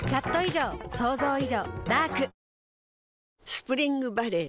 スプリングバレー